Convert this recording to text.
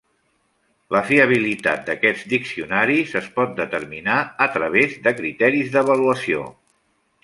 La fiabilitat d'aquests diccionaris es pot determinar a través de criteris d'avaluació.